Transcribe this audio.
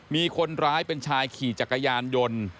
มีคนร้ายเป็นชายขี่จักรยานยนต์